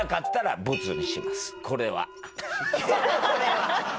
これは。